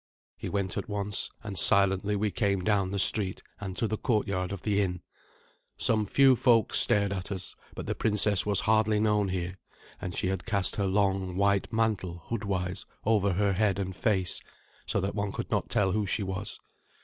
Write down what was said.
He went at once, and silently we came down the street and to the courtyard of the inn. Some few folk stared at us; but the princess was hardly known here, and she had cast her long, white mantle hoodwise over her head and face, so that one could not tell who she was.